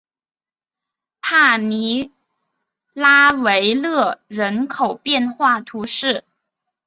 帕尼拉维勒人口变化图示